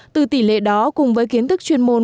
từ tỷ lệ đó cùng với kiến thức chuyên môn